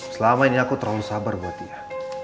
selama ini aku terlalu sabar buat dia